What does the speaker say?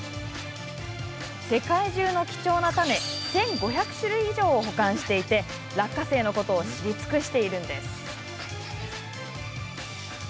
世界中の貴重な種１５００種類以上を保管していて落花生のことを知り尽くしているんです。